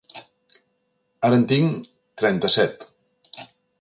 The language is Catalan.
Ara en tinc trenta-set.